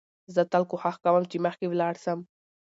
زه تل کوښښ کوم، چي مخکي ولاړ سم.